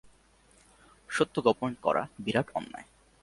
সত্য গোপন করা বিরাট অন্যায়।